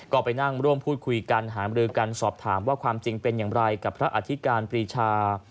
ก็ไปนั่งร่วมพูดคุยกันหามรือกันสอบถามว่าความจริงเป็นอย่างไรกับพระอธิการปรีชา